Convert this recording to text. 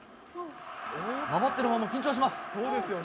守ってるほうも緊張します。